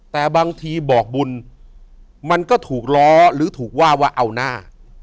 แต่บางทีบอกบุญมันก็ถูกล้อหรือถูกว่าว่าเอาหน้า